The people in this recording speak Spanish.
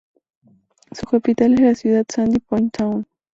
Su capital es la ciudad de Sandy Point Town.